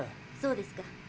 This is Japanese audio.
そうですか。